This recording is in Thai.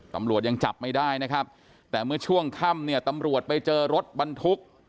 ตำรวจยังจับไม่ได้แต่เมื่อช่วงค่ำตำรวจไปเจอรถบันทุกข์